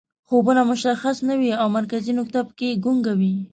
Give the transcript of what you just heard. خوبونه مشخص نه وي او مرکزي نقطه پکې ګونګه وي